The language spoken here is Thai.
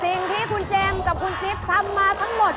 สิ่งที่คุณเจมส์กับคุณกิฟต์ทำมาทั้งหมด